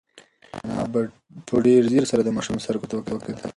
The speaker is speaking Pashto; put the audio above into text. انا په ډېر ځير سره د ماشوم سترګو ته وکتل.